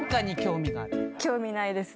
興味ないですね。